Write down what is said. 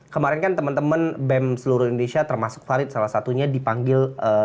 kemarin kan teman teman bem seluruh indonesia termasuk farid salah satunya dipanggil